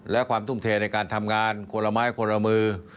และความทุ่มเทในการทำงานคนละไม้คนละมือ